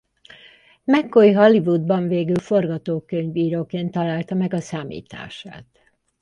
McCoy Hollywoodban végül forgatókönyvíróként találta meg a számítását.